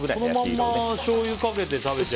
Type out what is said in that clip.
このまましょうゆかけて食べても。